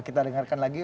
kita dengarkan lagi